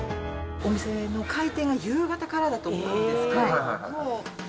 お店の開店が夕方からだと思うんですよ。